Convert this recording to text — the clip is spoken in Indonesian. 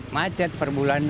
macet per bulan